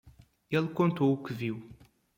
E ele contou o que viu.